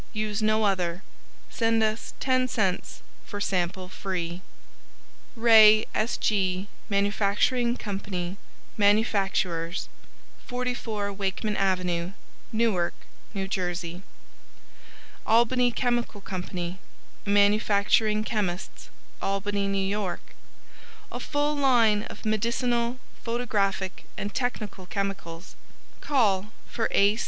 Use no other. Send us 10c for sample free. RAY S. G. MFG. CO. Manufacturers 44 Wakeman Ave. Newark, N. J. ALBANY CHEMICAL CO. Manufacturing Chemists ALBANY, N. Y . A full line of Medicinal, Photographic and Technical Chemicals. Call for A.